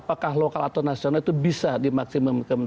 apakah sumber daya atau nasional itu bisa di maksimum kemampuan